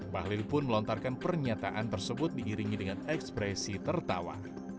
bahlil pun melontarkan pernyataan tersebut diiringi dengan ekspresi tertawa